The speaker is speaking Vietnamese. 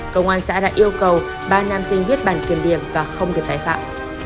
công an xã đã yêu cầu ba nam sinh viết bản kiểm điểm và không thể tài phạm